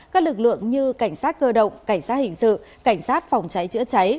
các lực lượng như cảnh sát cơ động cảnh sát hình sự cảnh sát phòng cháy chữa cháy